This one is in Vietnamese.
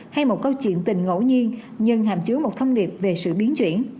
hay một câu chuyện tình ngẫu nhiên nhưng hàm chứa một thông điệp về sự biến chuyển